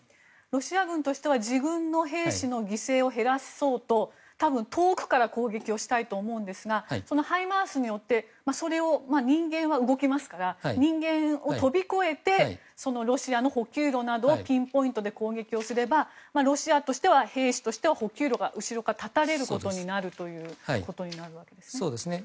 ロシア軍としては自分の兵士の犠牲を減らそうと、遠くから攻撃をしたいと思うんですがそのハイマースによって人間は動きますから人間を飛び越えてそのロシアの補給路などをピンポイントで攻撃すればロシアとしては兵士としては補給路が断たれることになるわけですね。